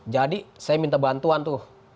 jadi saya minta bantuan tuh